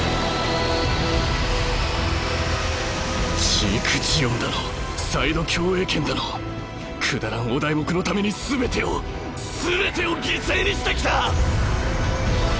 ジーク・ジオンだのサイド共栄圏だのくだらんお題目のために全てを全てを犠牲にしてきた！